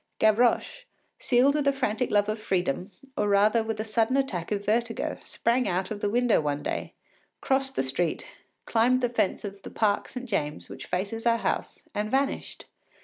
Gavroche, seized with a frantic love of freedom, or rather with a sudden attack of vertigo, sprang out of the window one day, crossed the street, climbed the fence of the Parc Saint James, which faces our house, and vanished.